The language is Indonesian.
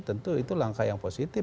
tentu itu langkah yang positif